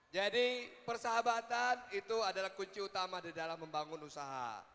jadi persahabatan itu adalah kunci utama di dalam membangun usaha